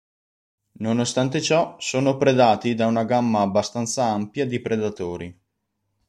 Nonostante ciò, sono predati da una gamma abbastanza ampia di predatori.